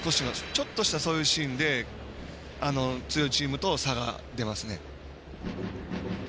ちょっとしたそういうシーンで強いチームとの差が出ますね。